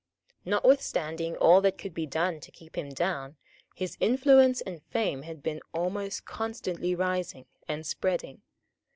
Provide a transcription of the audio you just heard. Notwithstanding all that could be done to keep him down, his influence and fame had been almost constantly rising and spreading.